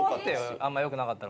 あんま良くなかったら。